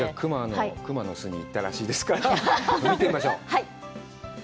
熊の巣に行ったらしいですから、見てみましょう。